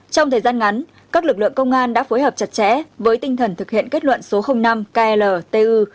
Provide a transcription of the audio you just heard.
trong thời gian ngắn các lực lượng công an đã phối hợp chặt chẽ với tinh thần thực hiện kết luận số năm kltu